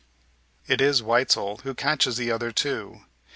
It is Weitzel who catches the other two.